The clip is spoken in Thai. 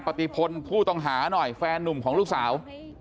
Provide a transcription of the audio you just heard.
ปฏิพลผู้ต้องหาหน่อยแฟนนุ่มของลูกสาว